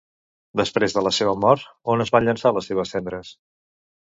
Després de la seva mort, on es van llençar les seves cendres?